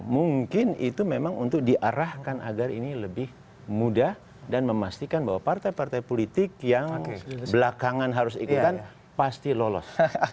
mungkin itu memang untuk diarahkan agar ini lebih mudah dan memastikan bahwa partai partai politik yang belakangan harus ikutan pasti lolos